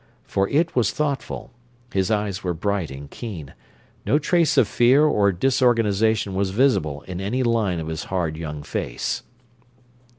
For it was thoughtful, his eyes were bright and keen no trace of fear or disorganization was visible in any line of his hard young face.